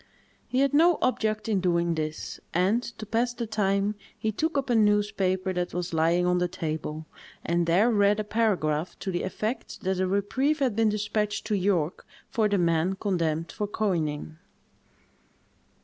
He had no object in doing this; and, to pass the time, he took up a newspaper that was lying on the table, and there read a paragraph to the effect that a reprieve had been despatched to York, for the men condemned for coining.